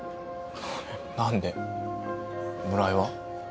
何で村井は？